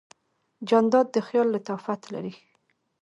جانداد د خیال لطافت لري.